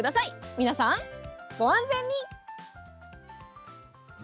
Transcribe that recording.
皆さん、ご安全に！